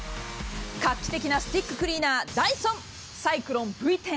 画期的なスティッククリーナーダイソンサイクロンＶ１０。